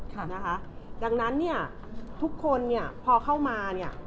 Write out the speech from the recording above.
ค่ะนะคะดังนั้นเนี่ยทุกคนเนี่ยพอเข้ามาเนี่ย